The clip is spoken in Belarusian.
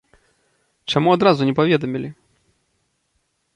Чаму адразу не паведамілі?